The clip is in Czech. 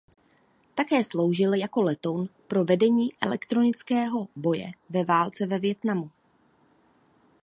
Také sloužil jako letoun pro vedení elektronického boje ve válce ve Vietnamu.